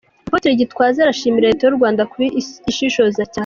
Apotre Gitwaza arashimira Leta y’u Rwanda kuba ishishoza cyane.